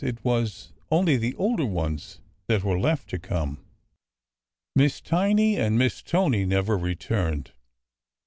it was only the older ones that v/ere left to come. Miss Tiny and Miss Tony never returned.